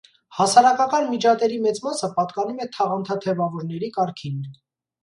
Հասարակական միջատերի մեծ մասը պատկանում է թաղանթաթևավորների կարգին։